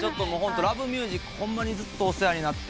『Ｌｏｖｅｍｕｓｉｃ』ホンマにずっとお世話になって。